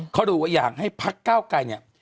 เขารู้ว่าอยากให้พักเก้าไกรเนี่ย